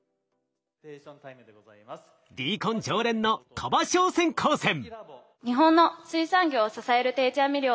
ＤＣＯＮ常連の鳥羽商船高専。